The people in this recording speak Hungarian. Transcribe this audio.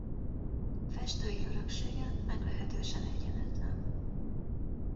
Festői öröksége meglehetősen egyenetlen.